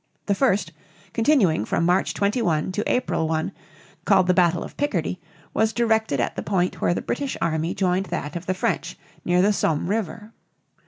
The first, continuing from March 21 to April 1, called the battle of Picardy, was directed at the point where the British army joined that of the French near the Somme River.